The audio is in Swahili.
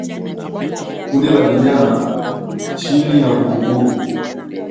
Kundi la vijana chini ya vugu vugu